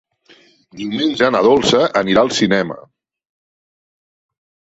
Diumenge na Dolça anirà al cinema.